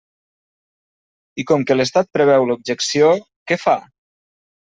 I com que l'estat preveu l'objecció, ¿què fa?